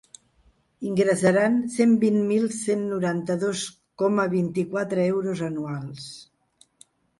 Ingressaran cent vint mil cent noranta-dos coma vint-i-quatre euros anuals.